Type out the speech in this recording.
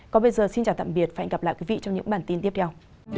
còn bây giờ xin chào tạm biệt và hẹn gặp lại quý vị trong những bản tin tiếp theo